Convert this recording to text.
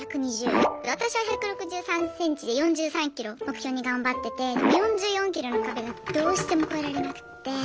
私は１６３ｃｍで４３ｋｇ目標に頑張っててでも４４ｋｇの壁がどうしても越えられなくって。